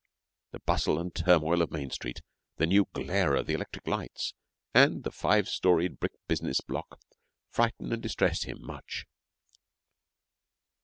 The bustle and turmoil of Main Street, the new glare of the electric lights and the five storeyed brick business block, frighten and distress him much.